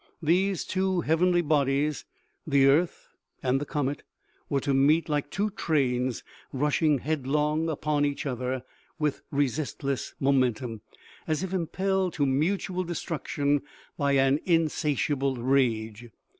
These two heavenly bodies the earth and the comet were to meet like two trains, rushing headlong upon each other, with resistless momentum, as if impelled to mutual destruction by an insatiable rage.